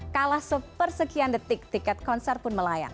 kalah sepersekian detik tiket konser pun melayang